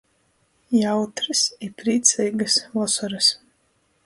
Jautrys i prīceigys vosorys!